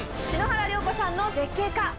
篠原涼子さんの絶景か？